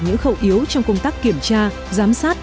những khẩu yếu trong công tác kiểm tra giám sát